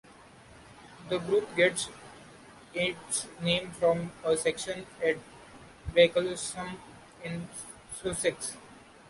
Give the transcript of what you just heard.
The Group gets its name from a section at Bracklesham in Sussex.